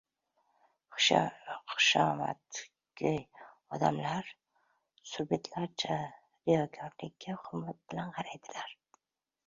Xushomadgo‘y odamlar surbetlarcha riyokorlikka hurmat bilan qaraydilar.